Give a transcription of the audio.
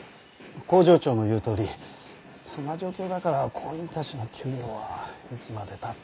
工場長の言うとおりそんな状況だから工員たちの給料はいつまで経っても。